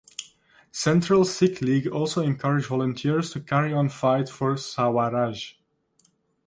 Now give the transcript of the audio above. Central Sikh League also encouraged volunteers to carry on fight for Swaraj.